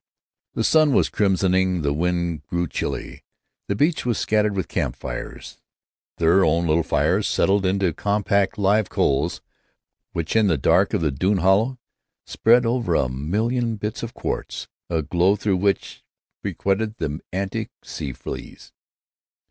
The sun was crimsoning; the wind grew chilly. The beach was scattered with camp fires. Their own fire settled into compact live coals which, in the dusk of the dune hollow, spread over the million bits of quartz a glow through which pirouetted the antic sand fleas.